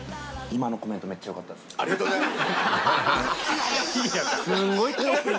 ありがとうございますよし！